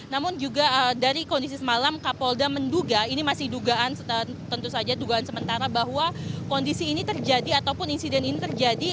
namun juga dari kondisi semalam kapolda menduga ini masih dugaan tentu saja dugaan sementara bahwa kondisi ini terjadi ataupun insiden ini terjadi